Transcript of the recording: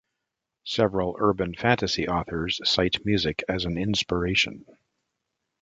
Several urban-fantasy authors cite music as an inspiration.